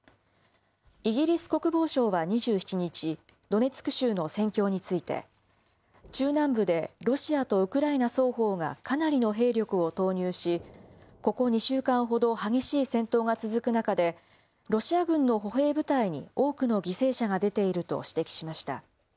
イギリス国防省は２７日、ドネツク州の戦況について、中南部でロシアとウクライナ双方がかなりの兵力を投入し、ここ２週間ほど、激しい戦闘が続く中で、ロシア軍の歩兵部隊に多くの犠牲者が出ていると指摘しました。